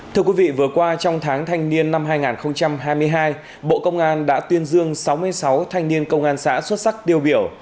thưa quý vị vừa qua trong tháng thanh niên năm hai nghìn hai mươi hai bộ công an đã tuyên dương sáu mươi sáu thanh niên công an xã xuất sắc tiêu biểu